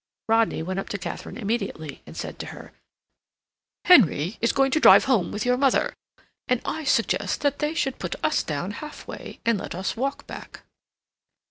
Rodney went up to Katharine immediately and said to her: "Henry is going to drive home with your mother, and I suggest that they should put us down half way and let us walk back."